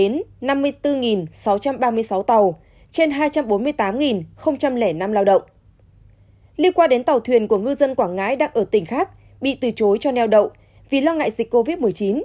liên quan đến tàu thuyền của ngư dân quảng ngãi đang ở tỉnh khác bị từ chối cho neo đậu vì lo ngại dịch covid một mươi chín